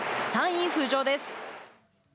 ３位浮上です。